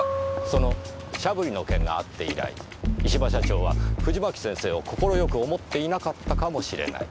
その「シャブリ」の件があって以来石場社長は藤巻先生を快く思っていなかったかもしれない。